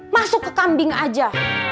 masuk ke kambing aja